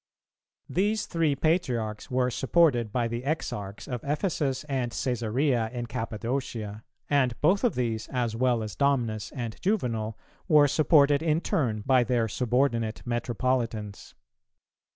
These three Patriarchs were supported by the Exarchs of Ephesus and Cæsarea in Cappadocia; and both of these as well as Domnus and Juvenal, were supported in turn by their subordinate Metropolitans.